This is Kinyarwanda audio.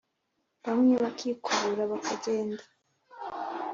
bamwe bakikubura bakagenda